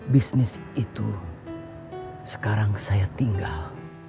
bisnis itu sekarang saya tinggal